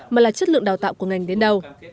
mà là chất lượng đào tạo của ngành đến đâu